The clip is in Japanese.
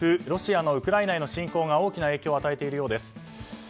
ロシアのウクライナへの侵攻が大きな影響を与えているようです。